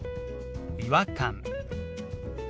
「違和感」。